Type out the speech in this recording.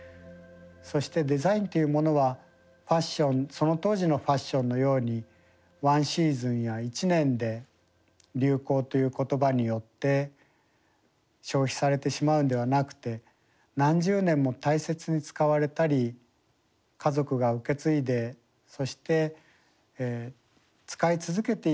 そしてデザインというものはその当時のファッションのようにワンシーズンや１年で流行という言葉によって消費されてしまうんではなくて何十年も大切に使われたり家族が受け継いでそして使い続けていくということができるんではないか。